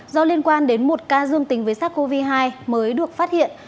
do liên quan đến một ca dương tính với sars cov hai mới được phát hiện